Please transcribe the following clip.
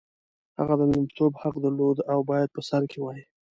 هغه د لومړیتوب حق درلود او باید په سر کې وای.